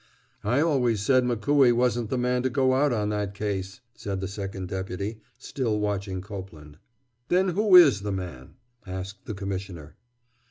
"I always said McCooey wasn't the man to go out on that case," said the Second Deputy, still watching Copeland. "Then who is the man?" asked the Commissioner.